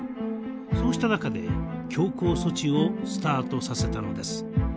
そうした中で強硬措置をスタートさせたのです。